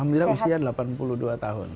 ibu alhamdulillah usia delapan puluh dua tahun